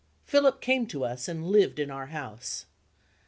Philip came to us, and lived in our house.